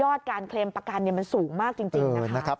ยอดการเคลมประกันเนี่ยมันสูงมากจริงนะครับ